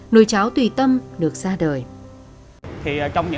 nồi cháo tùy tâm được ra đời